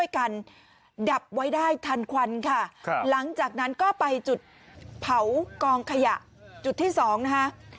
ก็ไปจุดเผากองขยะจุดที่สองนะคะ